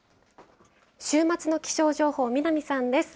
週末の気象情報、南さんです。